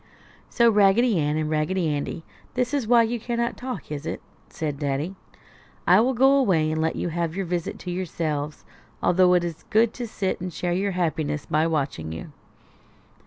"So, Raggedy Ann and Raggedy Andy, that is why you cannot talk, is it?" said Daddy. "I will go away and let you have your visit to yourselves, although it is good to sit and share your happiness by watching you."